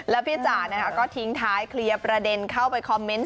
แล้วพี่จ๋าก็ทิ้งท้ายเคลียร์ประเด็นเข้าไปคอมเมนต์